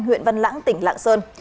huyện văn lãng tỉnh lạng sơn